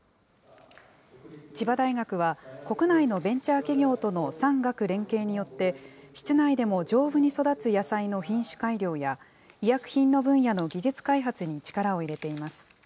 千葉大学は国内のベンチャー企業との産学連携によって、室内でも丈夫に育つ野菜の品種改良や、医薬品の分野の技術開発に力を入れています。